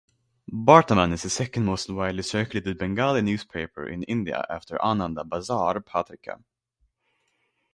"Bartaman" is the second-most widely circulated Bengali newspaper in India after "Anandabazar Patrika".